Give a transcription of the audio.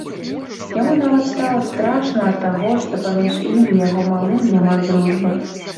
Яму нават стала страшна ад таго, што паміж ім і яго малым няма дружбы.